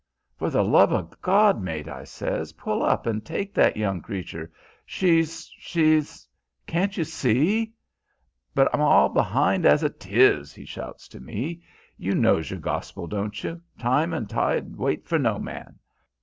'For the love o' God, mate,' I says, 'pull up and take that young creature! She's ... she's ... can't you see!' 'But I'm all behind as 'tis' he shouts to me 'You knows your gospel, don't you: time and tide wait for no man?'